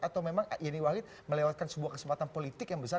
atau memang yeni wahid melewatkan sebuah kesempatan politik yang besar